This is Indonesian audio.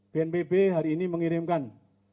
bnpb hari ini mengirimkan